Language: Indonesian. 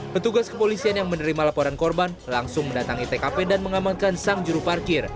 petugas kepolisian yang menerima laporan korban langsung mendatangi tkp dan mengamankan sang juru parkir